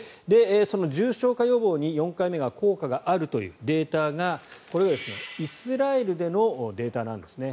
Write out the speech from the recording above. その重症化予防に、４回目が効果があるというデータがこれはイスラエルでのデータなんですね。